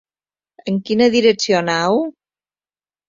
En quina direcció aneu?